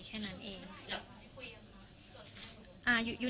อยู่ในข้อมูลการ